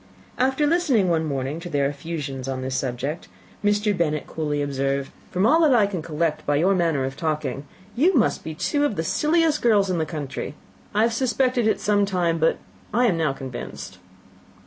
After listening one morning to their effusions on this subject, Mr. Bennet coolly observed, "From all that I can collect by your manner of talking, you must be two of the silliest girls in the country. I have suspected it some time, but I am now convinced."